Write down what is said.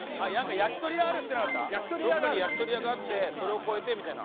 どっかに焼き鳥屋があってそれを越えてみたいな。